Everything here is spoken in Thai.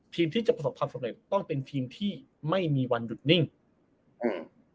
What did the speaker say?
ที่จะประสบความสำเร็จต้องเป็นทีมที่ไม่มีวันหยุดนิ่งอืม